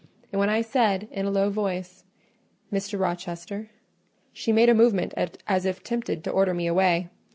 and when I said, in a low voice, "Mr. Rochester," she made a movement as if tempted to order me away.